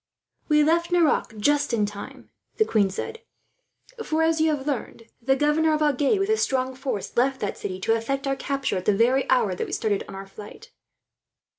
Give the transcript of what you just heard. "We left Nerac just in time," the queen said; "for, as we have learned, the governor of Agen, with a strong force, left that city to effect our capture at the very hour that we started on our flight."